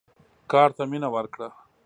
کار ته مینه ورکړه.